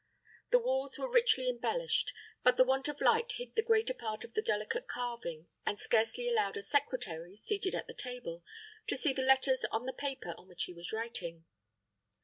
The walls were richly embellished; but the want of light hid the greater part of the delicate carving, and scarcely allowed a secretary, seated at the table, to see the letters on the paper on which he was writing.